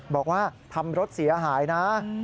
บอกว่าทำรถเสียหายนะ